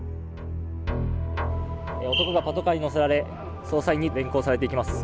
男がパトカーに乗せられ捜査員に連行されていきます。